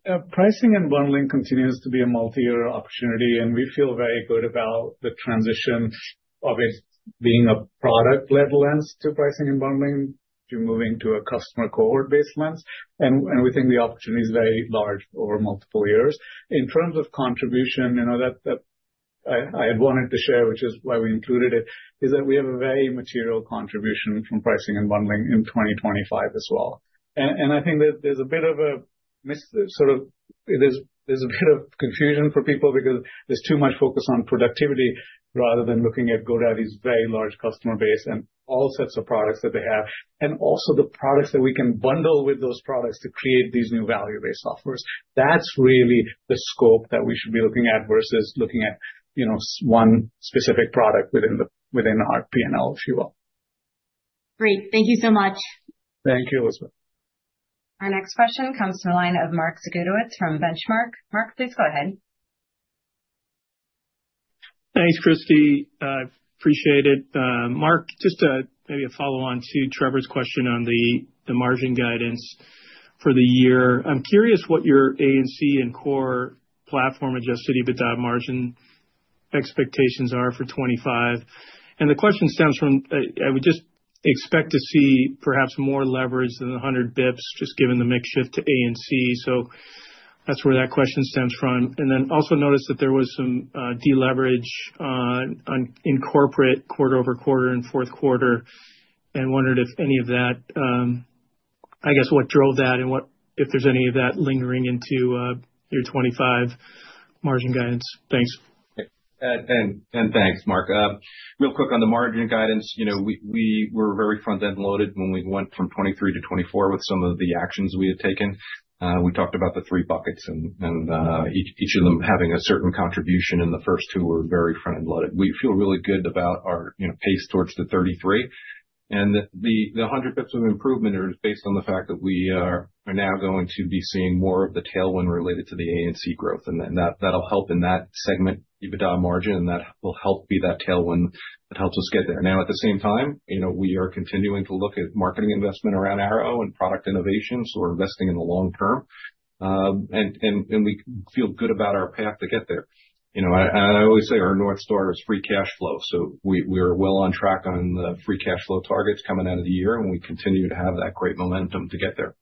Pricing and bundling continues to be a multi-year opportunity, and we feel very good about the transition of it being a product-led lens to pricing and bundling to moving to a customer cohort-based lens. We think the opportunity is very large over multiple years. In terms of contribution that I had wanted to share, which is why we included it, we have a very material contribution from pricing and bundling in 2025 as well. I think there's a bit of confusion for people because there's too much focus on productivity rather than looking at GoDaddy's very large customer base and all sets of products that they have, and also the products that we can bundle with those products to create these new value-based softwares. That's really the scope that we should be looking at versus looking at one specific product within our P&L, if you will. Great. Thank you so much. Thank you, Elizabeth. Our next question comes from the line of Mark Zgutowicz from Benchmark. Mark, please go ahead. Thanks, Christie. I appreciate it. Mark, just maybe a follow-on to Trevor's question on the margin guidance for the year. I'm curious what your ANC and core platform adjusted EBITDA margin expectations are for 2025. And the question stems from I would just expect to see perhaps more leverage than 100 basis points just given the mix shift to ANC. So that's where that question stems from. And then also noticed that there was some deleverage in core quarter over quarter and fourth quarter and wondered if any of that, I guess, what drove that and if there's any of that lingering into your 2025 margin guidance. Thanks. Thanks, Mark. Real quick on the margin guidance, we were very front-end loaded when we went from 2023-2024 with some of the actions we had taken. We talked about the three buckets and each of them having a certain contribution, and the first two were very front-end loaded. We feel really good about our pace towards the 33. The 100 basis points of improvement is based on the fact that we are now going to be seeing more of the tailwind related to the ANC growth. And that'll help in that segment EBITDA margin, and that will help be that tailwind that helps us get there. Now, at the same time, we are continuing to look at marketing investment around Airo and product innovation. So we're investing in the long term. And we feel good about our path to get there. And I always say our North Star is free cash flow. So we are well on track on the free cash flow targets coming out of the year, and we continue to have that great momentum to get there.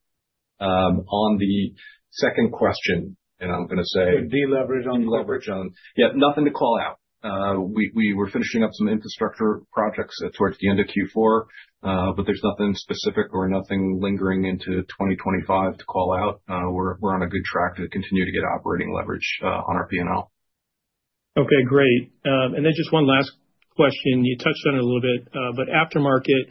On the second question, and I'm going to say. Deleverage on. Deleverage on. Yeah, nothing to call out. We were finishing up some infrastructure projects towards the end of Q4, but there's nothing specific or nothing lingering into 2025 to call out. We're on a good track to continue to get operating leverage on our P&L. Okay, great. And then just one last question. You touched on it a little bit, but aftermarket,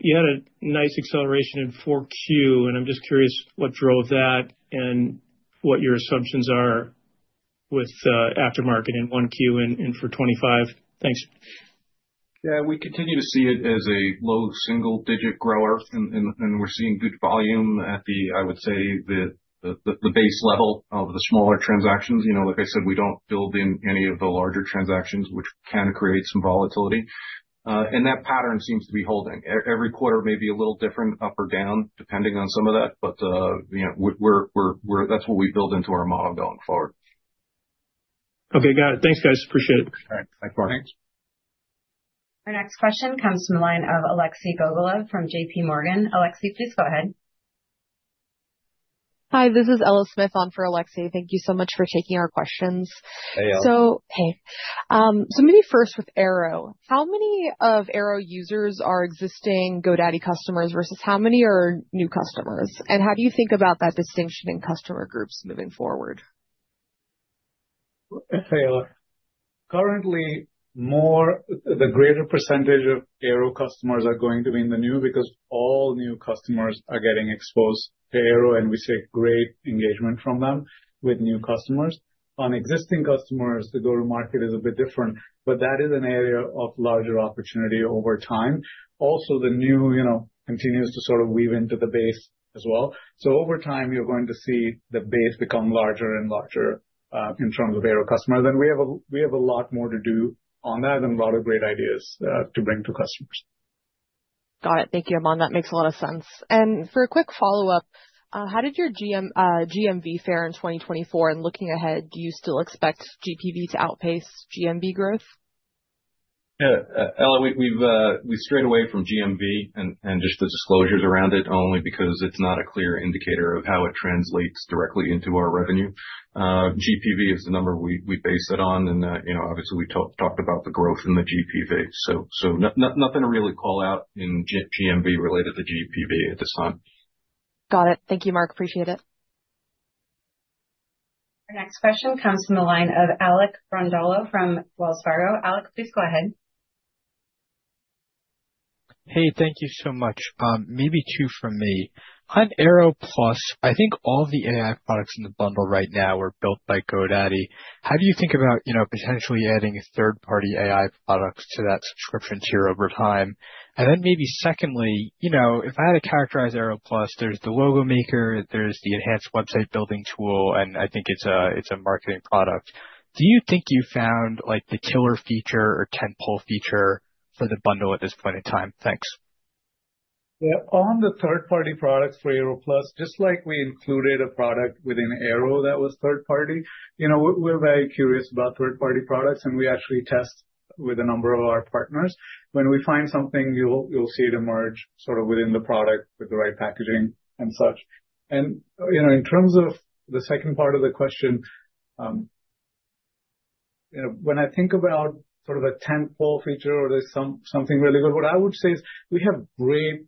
you had a nice acceleration in Q4, and I'm just curious what drove that and what your assumptions are with aftermarket in Q1 and for 2025. Thanks. Yeah, we continue to see it as a low single-digit grower, and we're seeing good volume at the, I would say, the base level of the smaller transactions. Like I said, we don't build in any of the larger transactions, which can create some volatility. And that pattern seems to be holding. Every quarter may be a little different up or down depending on some of that, but that's what we build into our model going forward. Okay, got it. Thanks, guys. Appreciate it. All right. Thanks, Mark. Thanks. Our next question comes from the line of Aleksey Gogolev from JPMorgan. Aleksey, please go ahead. Hi, this is Ella Smith on for Aleksey. Thank you so much for taking our questions. Hey, Ella. So maybe first with Airo. How many of Airo users are existing GoDaddy customers versus how many are new customers? And how do you think about that distinction in customer groups moving forward? Hey, Ella. Currently, the greater percentage of Airo customers are going to be in the new because all new customers are getting exposed to Airo, and we see great engagement from them with new customers. On existing customers, the go-to-market is a bit different, but that is an area of larger opportunity over time. Also, the new continues to sort of weave into the base as well. So over time, you're going to see the base become larger and larger in terms of Airo customers. And we have a lot more to do on that and a lot of great ideas to bring to customers. Got it. Thank you, Aman. That makes a lot of sense, and for a quick follow-up, how did your GMV fare in 2024? And looking ahead, do you still expect GPV to outpace GMV growth? Yeah. Ella, we strayed away from GMV and just the disclosures around it only because it's not a clear indicator of how it translates directly into our revenue. GPV is the number we base it on, and obviously, we talked about the growth in the GPV. So nothing to really call out in GMV related to GPV at this time. Got it. Thank you, Mark. Appreciate it. Our next question comes from the line of Alec Brondolo from Wells Fargo. Alec, please go ahead. Hey, thank you so much. Maybe two from me. On Airo Plus, I think all of the AI products in the bundle right now are built by GoDaddy. How do you think about potentially adding third-party AI products to that subscription tier over time? And then maybe secondly, if I had to characterize Airo Plus, there's the logo maker, there's the enhanced website building tool, and I think it's a marketing product. Do you think you found the killer feature or tentpole feature for the bundle at this point in time? Thanks. Yeah. On the third-party products for Airo Plus, just like we included a product within Airo that was third-party, we're very curious about third-party products, and we actually test with a number of our partners. When we find something, you'll see it emerge sort of within the product with the right packaging and such. And in terms of the second part of the question, when I think about sort of a tentpole feature or something really good, what I would say is we have a great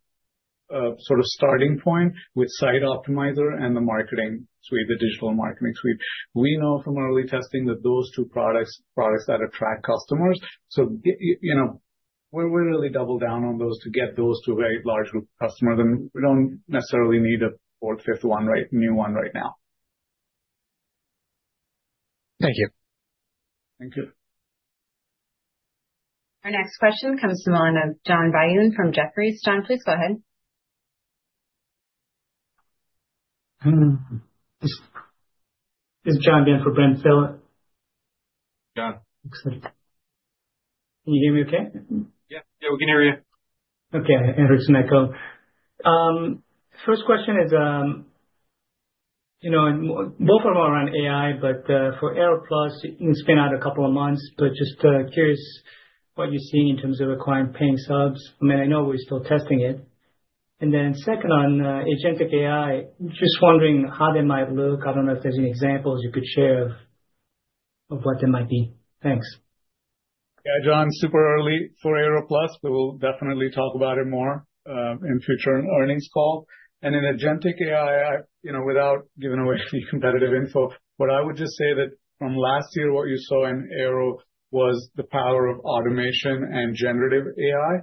sort of starting point with Site Optimizer and the marketing suite, the digital marketing suite. We know from early testing that those two products that attract customers. So we really double down on those to get those to a very large group of customers, and we don't necessarily need a fourth, fifth one, right, new one right now. Thank you. Thank you. Our next question comes from the line of John Byun from Jefferies. John, please go ahead. This is John Byun for Brent Thill. John. Can you hear me okay? Yeah. Yeah, we can hear you. Okay. And there's an echo. First question is both of them are on AI, but for Airo Plus, you can spin out a couple of months, but just curious what you're seeing in terms of acquiring paying subs. I mean, I know we're still testing it. And then second on agentic AI, just wondering how they might look. I don't know if there's any examples you could share of what they might be. Thanks. Yeah, John, super early for Airo Plus. We will definitely talk about it more in future earnings call. And in agentic AI, without giving away any competitive info, what I would just say that from last year, what you saw in Airo was the power of automation and generative AI.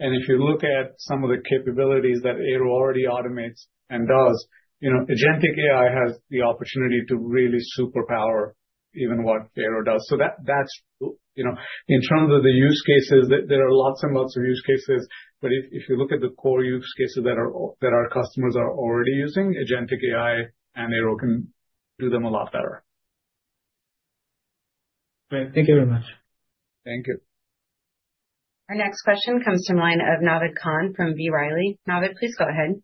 And if you look at some of the capabilities that Airo already automates and does, agentic AI has the opportunity to really superpower even what Airo does. So that's in terms of the use cases, there are lots and lots of use cases. But if you look at the core use cases that our customers are already using, agentic AI and Airo can do them a lot better. Great. Thank you very much. Thank you. Our next question comes from the line of Naved Khan from B. Riley. Naved, please go ahead.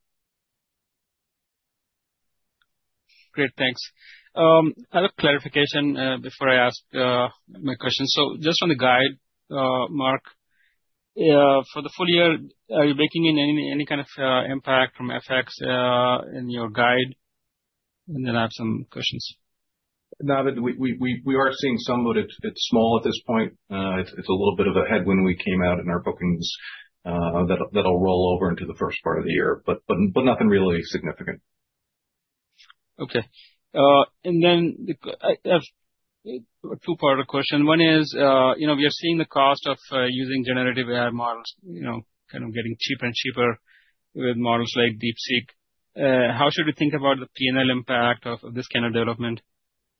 Great. Thanks. A little clarification before I ask my question. So just on the guide, Mark, for the full year, are you baking in any kind of impact from FX in your guide? And then I have some questions. Naved, we are seeing some, but it's small at this point. It's a little bit of a headwind when we came out in our bookings that'll roll over into the first part of the year, but nothing really significant. Okay. And then a two-part question. One is we are seeing the cost of using generative AI models kind of getting cheaper and cheaper with models like DeepSeek. How should we think about the P&L impact of this kind of development?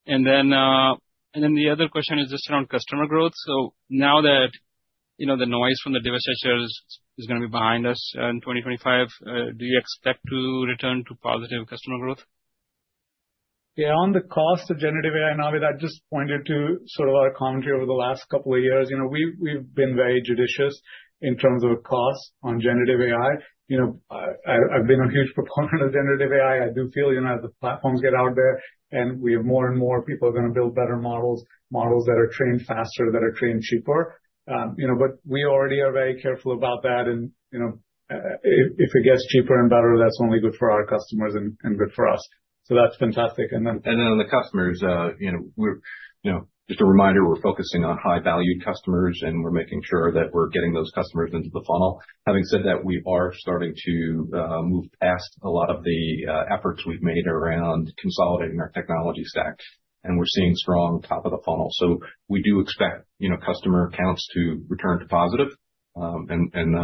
And then the other question is just around customer growth. So now that the noise from the divestitures is going to be behind us in 2025, do you expect to return to positive customer growth? Yeah. On the cost of generative AI, Naved, I just pointed to sort of our commentary over the last couple of years. We've been very judicious in terms of cost on generative AI. I've been a huge proponent of generative AI. I do feel as the platforms get out there and we have more and more people are going to build better models, models that are trained faster, that are trained cheaper. But we already are very careful about that. And if it gets cheaper and better, that's only good for our customers and good for us. So that's fantastic. And then. And then on the customers, just a reminder, we're focusing on high-valued customers, and we're making sure that we're getting those customers into the funnel. Having said that, we are starting to move past a lot of the efforts we've made around consolidating our technology stack, and we're seeing strong top-of-the-funnel. So we do expect customer accounts to return to positive, and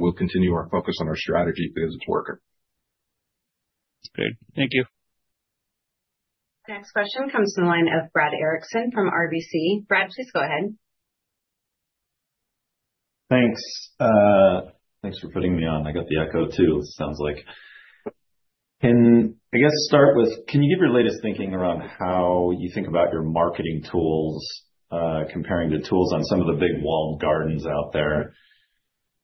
we'll continue our focus on our strategy because it's working. Great. Thank you. Next question comes from the line of Brad Erickson from RBC. Brad, please go ahead. Thanks. Thanks for putting me on. I got the echo too, it sounds like. And I guess start with, can you give your latest thinking around how you think about your marketing tools comparing to tools on some of the big walled gardens out there?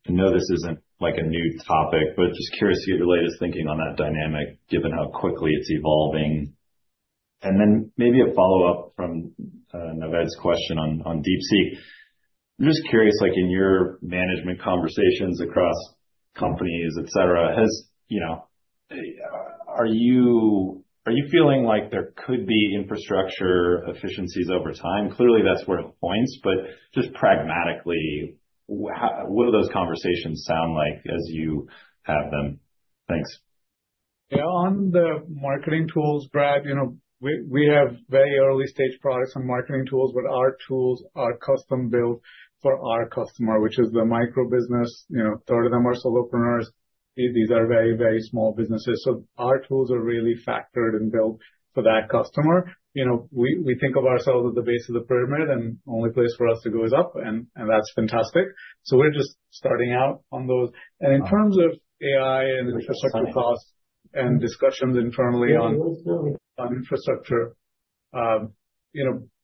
I know this isn't a new topic, but just curious to get your latest thinking on that dynamic given how quickly it's evolving. And then maybe a follow-up from Naved's question on DeepSeek. I'm just curious, in your management conversations across companies, etc., are you feeling like there could be infrastructure efficiencies over time? Clearly, that's where it points, but just pragmatically, what do those conversations sound like as you have them? Thanks. Yeah. On the marketing tools, Brad, we have very early-stage products and marketing tools, but our tools are custom-built for our customer, which is the micro-business. A third of them are solopreneurs. These are very, very small businesses. So our tools are really tailored and built for that customer. We think of ourselves at the base of the pyramid, and the only place for us to go is up, and that's fantastic. So we're just starting out on those. And in terms of AI and infrastructure costs and discussions internally on infrastructure,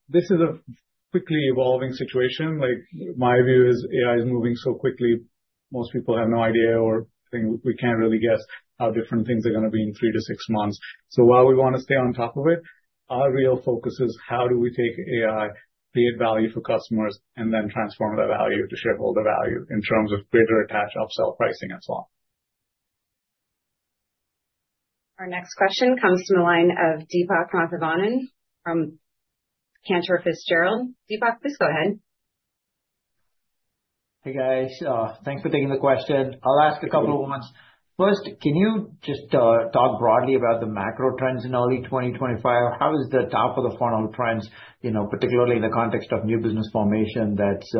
this is a quickly evolving situation. My view is AI is moving so quickly, most people have no idea or think we can't really guess how different things are going to be in three to six months. So while we want to stay on top of it, our real focus is how do we take AI, create value for customers, and then transform that value to shareholder value in terms of greater attached upsell pricing and so on. Our next question comes from the line of Deepak Mathivanan from Cantor Fitzgerald. Deepak, please go ahead. Hey, guys. Thanks for taking the question. I'll ask a couple of ones. First, can you just talk broadly about the macro trends in early 2025? How is the top-of-the-funnel trends, particularly in the context of new business formation, that's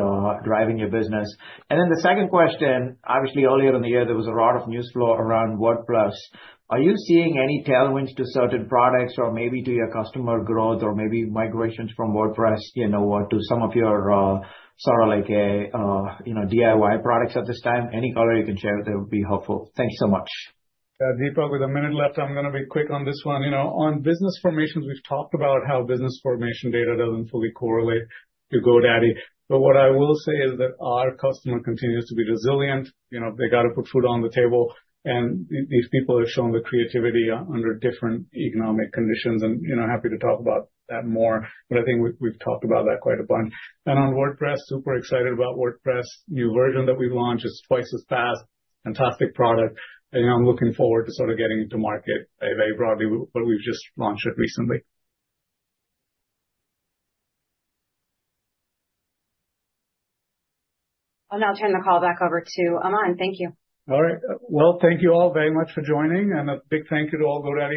driving your business? And then the second question, obviously, earlier in the year, there was a lot of news flow around WordPress. Are you seeing any tailwinds to certain products or maybe to your customer growth or maybe migrations from WordPress or to some of your sort of like DIY products at this time? Any color you can share, that would be helpful. Thank you so much. Deepak, with a minute left, I'm going to be quick on this one. On business formations, we've talked about how business formation data doesn't fully correlate to GoDaddy. But what I will say is that our customer continues to be resilient. They got to put food on the table, and these people have shown the creativity under different economic conditions. And happy to talk about that more, but I think we've talked about that quite a bunch. And on WordPress, super excited about WordPress. New version that we've launched is twice as fast. Fantastic product. I'm looking forward to sort of getting it to market very broadly, but we've just launched it recently. I'll now turn the call back over to Aman. Thank you. All right. Well, thank you all very much for joining, and a big thank you to all GoDaddy.